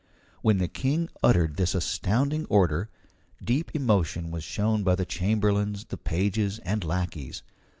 When the King uttered this astounding order, deep emotion was shown by the chamberlains, the pages, and lackeys.